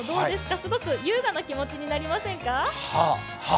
すごく優雅な気持ちになりませんか？